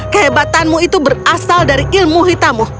kehebatanmu itu berasal dari ilmu hitamu